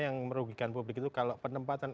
yang merugikan publik itu kalau penempatan